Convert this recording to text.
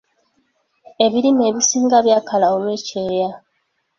Ebirime ebisinga byakala olw'ekyeya.